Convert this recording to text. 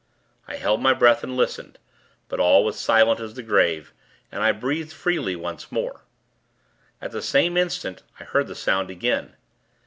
I held my breath, and listened; but all was silent as the grave, and I breathed freely once more. At the same instant, I heard the sound again.